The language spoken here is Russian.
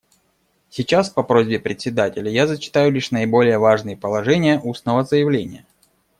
Сейчас по просьбе Председателя я зачитаю лишь наиболее важные положения устного заявления.